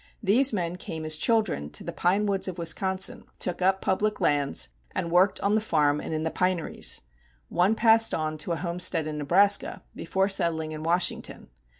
These men came as children to the pine woods of Wisconsin, took up public lands, and worked on the farm and in the pineries. One passed on to a homestead in Nebraska before settling in Washington.